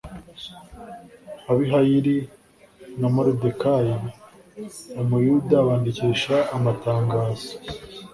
Abihayili na Moridekayi Umuyuda bandikisha amatangazo